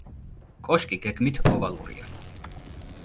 კოშკი გეგმით ოვალურია.